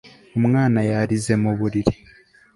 Umwana yarize mu buriri